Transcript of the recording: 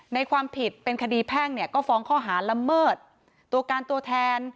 ในความผิดเป็นคดีแพ่งเนี่ยก็ฟ้องข้อหาละเมิดตัวการตัวแทน